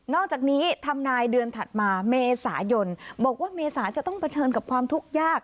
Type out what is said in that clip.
อกจากนี้ทำนายเดือนถัดมาเมษายนบอกว่าเมษาจะต้องเผชิญกับความทุกข์ยาก